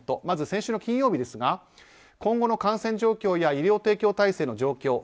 まず先週の金曜日ですが今後の感染状況や医療提供体制の状況